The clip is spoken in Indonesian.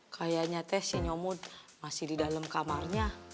kayanya teh si nyomud masih di dalam kamarnya